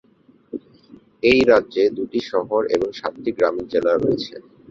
এই রাজ্যে দুইটি শহর এবং সাতটি গ্রামীণ জেলা রয়েছে।